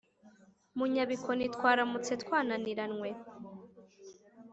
mu nyabikoni twaramutse twananiranywe!